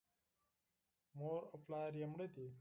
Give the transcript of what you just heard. مور او پلار یې مړه دي .